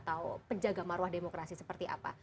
atau penjaga maruah demokrasi seperti apa